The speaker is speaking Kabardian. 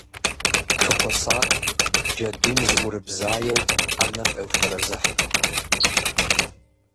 Фыхуэсакъ, джэдум, зыӏурыбзаеу, ӏэнэр къеуфэрэзыхь.